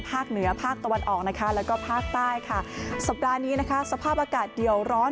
ภาคเหนือภาคตะวันออกและภาคใต้ค่ะสัปดาห์นี้สภาพอากาศเดี่ยวร้อน